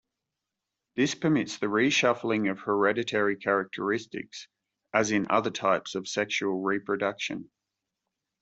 This permits the reshuffling of hereditary characteristics, as in other types of sexual reproduction.